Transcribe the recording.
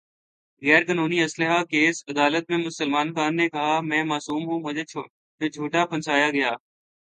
غیر قانونی اسلحہ کیس : عدالت میں سلمان خان نے کہا : میں معصوم ہوں ، مجھے جھوٹا پھنسایا گیا